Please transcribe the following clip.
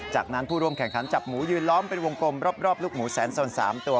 จากนั้นผู้ร่วมแข่งขันจับหมูยืนล้อมเป็นวงกลมรอบลูกหมูแสนสน๓ตัว